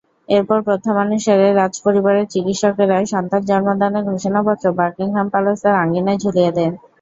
এরপর প্রথানুসারে রাজপরিবারের চিকিৎসকেরা সন্তান জন্মদানের ঘোষণাপত্র বাকিংহাম প্যালেসের আঙিনায় ঝুলিয়ে দেন।